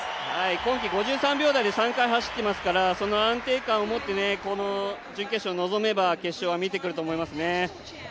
今季５３秒台で３回走ってますからその安定感を持って、この準決勝に臨めば決勝は見えてくると思いますね。